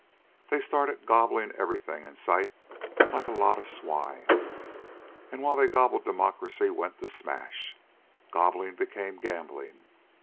"They started gobbling everything in sight like a lot of swine, and while they gobbled democracy went to smash. Gobbling became gambling.